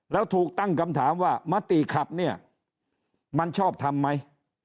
แล้วถูกตั้งคำถามว่ามติขับเนี่ยมันชอบทำไหม